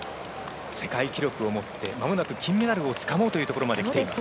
世界記録を持ってまもなく金メダルをつかもうというところまできています。